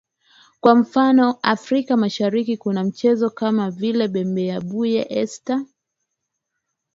kwa mfano Afrika Mashariki kuna michezo kama vile BembeaBuye Esta